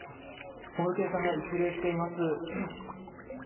小室圭さんが一礼しています。